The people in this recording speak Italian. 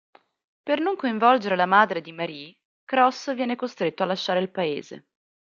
Per non coinvolgere la madre di Marie, Cross viene costretto a lasciare il paese.